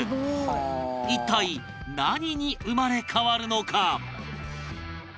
一体何に生まれ変わるのか？